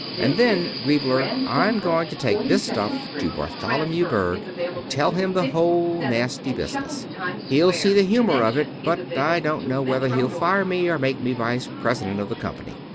And then, Griebler, I'm going to take this stuff to Bartholomew Berg and tell him the whole nasty business. He'll see the humor of it. But I don't know whether he'll fire me, or make me vice president of the company.